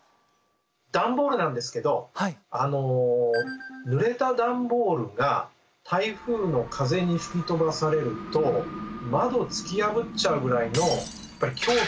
ダンボールなんですけどぬれたダンボールが台風の風に吹き飛ばされると窓突き破っちゃうぐらいの凶器になるんですね。